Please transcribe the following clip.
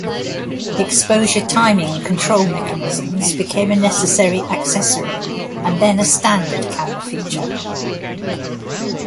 Exposure timing control mechanisms became a necessary accessory and then a standard camera feature.